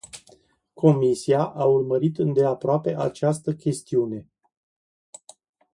Comisia a urmărit îndeaproape această chestiune.